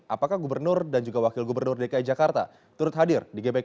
apakah gubernur dan juga wakil gubernur dki jakarta turut hadir di gbk